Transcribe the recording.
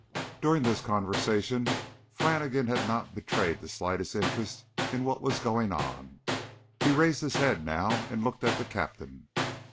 During this conversation Flannigan had not betrayed the slightest interest in what was going on. He raised his head now and looked at the Captain.